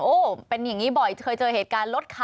โอ้โหเป็นอย่างนี้บ่อยเคยเจอเหตุการณ์รถคัน